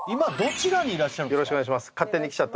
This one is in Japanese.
よろしくお願いしますあっええ